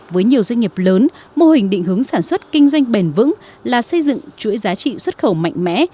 với nhiều doanh nghiệp lớn mô hình định hướng sản xuất kinh doanh bền vững là xây dựng chuỗi giá trị xuất khẩu mạnh mẽ